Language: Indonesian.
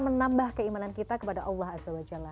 menambah keimanan kita kepada allah swt